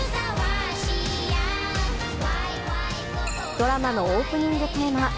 ドラマのオープニングテーマ。